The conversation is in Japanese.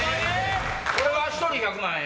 これは１人１００万円？